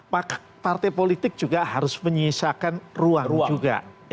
partai politik juga harus menyisakan ruang juga